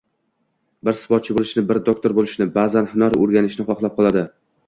bir sportchi bo‘lishni, bir doktor bo‘lishni, baʼzan hunar o‘rganishni xohlab qoladi.